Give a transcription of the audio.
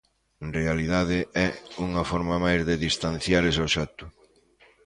En realidade é unha forma máis de distanciar ese obxecto.